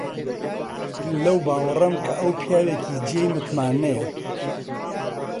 لەو باوەڕەم کە ئەو پیاوێکی جێی متمانەیە.